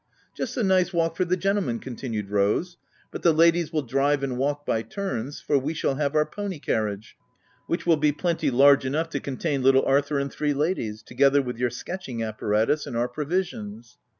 " Just a nice walk for the gentlemen/ 5 con tinued Rose ;" but the ladies will drive and walk by turns ; for we shall have our pony carriage, which will be plenty large enough to contain little Arthur and three ladies, together uith your sketching apparatus, and our pro visions."